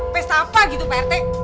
pes apa gitu pak rt